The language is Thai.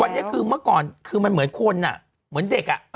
วันนี้คือเมื่อก่อนคือมันเหมือนคนอ่ะเหมือนเด็กอ่ะ